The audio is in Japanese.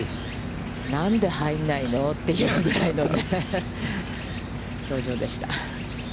なんで入らないの？というぐらいの表情でした。